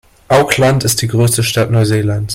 Auckland ist die größte Stadt Neuseelands.